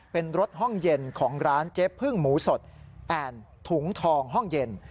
เป็นรถห้องเย็นของร้านเจ๊พึ่งหมูสดแอ่นถุงทองห้องเย็น